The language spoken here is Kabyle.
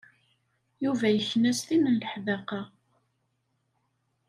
Yuba yekna s tin n leḥdaqa.